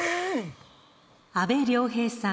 阿部亮平さん